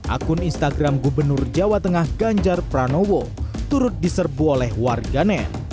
akun instagram gubernur jawa tengah ganjar pranowo turut diserbu oleh warganet